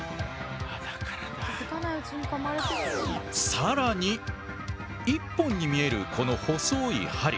更に１本に見えるこの細い針。